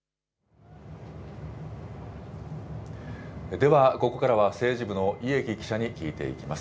では、ここからは政治部の家喜記者に聞いていきます。